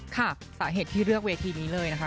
ค่ะสาเหตุที่เลือกเวทีนี้เลยนะคะ